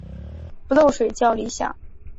不漏水较理想。